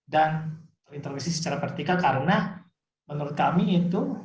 dan terintegrasi secara vertikal karena menurut kami itu